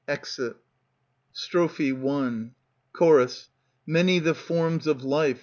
[Exit, Strophe I C^or. Many the forms of life.